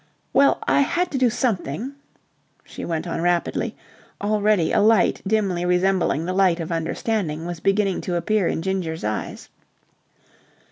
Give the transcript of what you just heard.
"Well, I had to do something." She went on rapidly. Already a light dimly resembling the light of understanding was beginning to appear in Ginger's eyes.